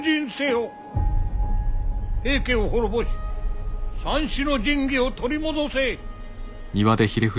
平家を滅ぼし三種の神器を取り戻せ。